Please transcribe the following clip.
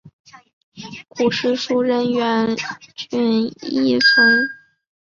古时属荏原郡衾村。